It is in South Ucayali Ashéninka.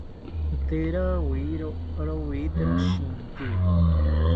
Tee rawiero rowitero shinki